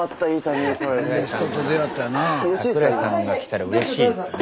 櫻井さんが来たらうれしいですよね。